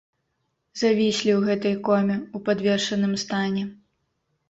Завіслі ў гэтай коме, у падвешаным стане.